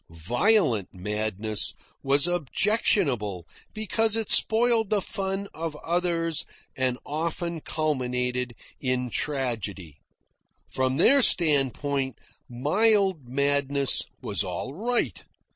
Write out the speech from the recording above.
Violent madness was objectionable because it spoiled the fun of others and often culminated in tragedy. From their standpoint, mild madness was all right.